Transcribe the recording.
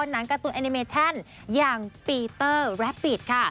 หนังการ์ตูนแอนิเมชั่นอย่างปีเตอร์แรปิตค่ะ